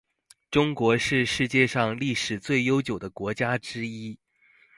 中国是世界上历史最悠久的国家之一。